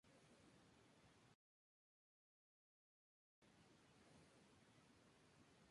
Todos los miembros del grupo tenían amplias trayectorias en el mundo del jazz.